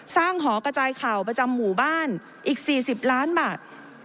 สร้างหอกระจายเข่าประจำหมู่บ้านอีกสี่สิบล้านบาท